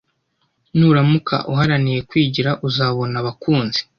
nuramuka uharaniye kwigira uzabona abakunzi